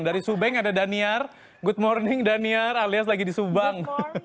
dari subeng ada daniar good morning daniar alias lagi di subang